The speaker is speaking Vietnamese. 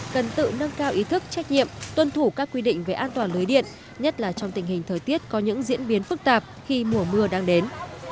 cần tự nâng cao ý thức trách nhiệm tuân thủ các quy định về an toàn lưới điện nhất là trong tình hình thời tiết có những diễn biến phức tạp khi mùa mưa đang đến